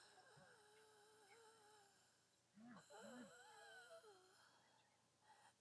Más tarde luchó como enmascarado con personajes como "Pulpo Blanco" y "Mancha Roja".